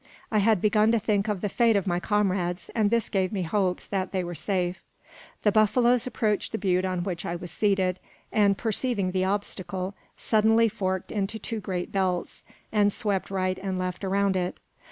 I had begun to think of the fate of my comrades, and this gave me hopes that they were safe. The buffaloes approached the butte on which I was seated; and, perceiving the obstacle, suddenly forked into two great belts, and swept right and left around it.